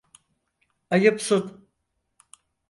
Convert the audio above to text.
Ayıpsın.